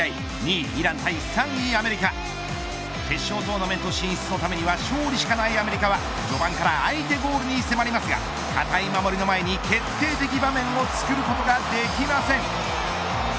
２位イラン対３位アメリカ決勝トーナメント進出のためには勝利しかないアメリカは序盤から相手ゴールに迫りますが堅い守りの前に決定的場面をつくることができません。